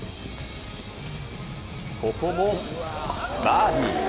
ここもバーディー。